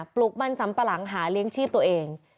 ปลุกมันสัมปะหลังหาเลี้ยงชีพตัวเอง